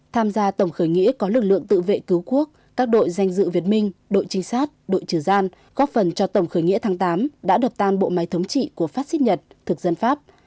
tham gia tổng khởi nghĩa có lực lượng tự vệ cứu quốc các đội danh dự việt minh đội trinh sát đội trừ gian góp phần cho tổng khởi nghĩa tháng tám đã đập tan bộ máy thống trị của phát xít nhật thực dân pháp